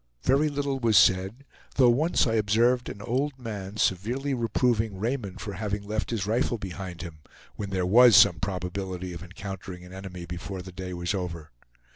Very little was said, though once I observed an old man severely reproving Raymond for having left his rifle behind him, when there was some probability of encountering an enemy before the day was over.